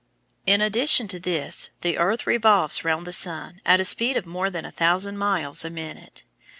In addition to this the earth revolves round the sun at a speed of more than a thousand miles a minute.